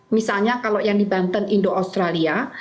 misalnya kalau yang di banten indo australia